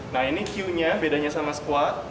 nah ini cue nya bedanya sama squat